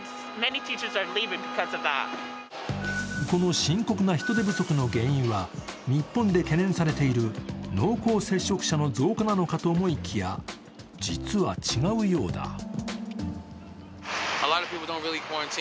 この深刻な人手不足の原因は日本で懸念されている濃厚接触者の増加なのかと思いきや、実は違うようだ。